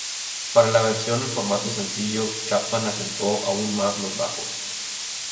Para la versión en formato sencillo, Chapman acentuó aún más los bajos.